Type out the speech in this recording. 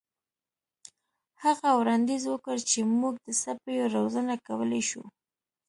هغه وړاندیز وکړ چې موږ د سپیو روزنه کولی شو